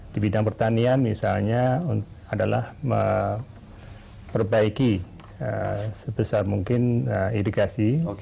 di bidang pertanian misalnya adalah memperbaiki sebesar mungkin irigasi